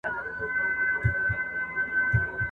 د غپا او انګولا یې ورک درک سي !.